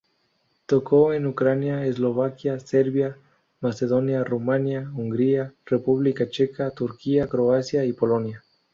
Tocó en Ucrania, Eslovaquia, Serbia, Macedonia, Rumanía, Hungría, República Checa, Turquía, Croacia y Polonia.